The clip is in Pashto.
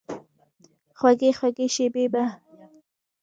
خوږې، خوږې شیبې به،